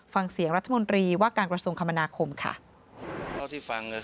ฟังเสียงรัฐมนตรีว่าการกระทรวงคมนาคมค่ะ